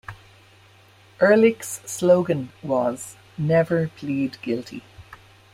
Ehrlich's slogan was, Never Plead Guilty.